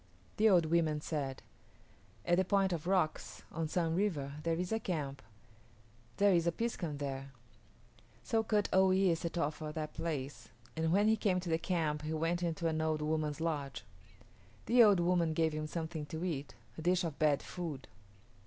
The old women said, "At the Point of Rocks on Sun River there is a camp. There is a piskun there." So Kut o yis´ set off for that place, and when he came to the camp he went into an old woman's lodge. The old woman gave him something to eat a dish of bad food.